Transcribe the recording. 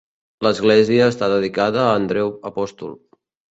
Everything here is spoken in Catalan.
L'església està dedicada a Andreu apòstol.